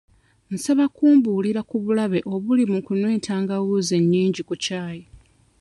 Nsaba kumbuulira ku bulabe obuli mu kunywa entangawuuzi ennyingi ku ccaayi.